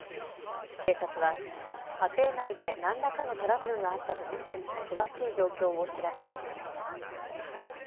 警察は家庭内で何らかのトラブルがあったと見て詳しい状況を調べています。